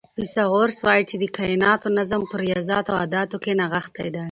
فیثاغورث وایي چې د کائناتو نظم په ریاضیاتو او اعدادو کې نغښتی دی.